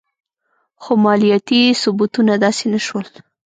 خو مالیاتي ثبتونه داسې نه شول.